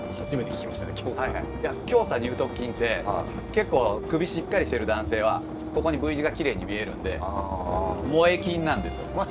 胸鎖乳突筋って結構首しっかりしてる男性はここにＶ字がきれいに見えるんで萌え筋なんですよ。